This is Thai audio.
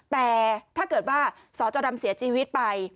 แต่ถ้าเกิดว่าสจดำเสียชีวิตไป